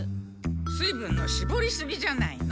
水分のしぼりすぎじゃないの？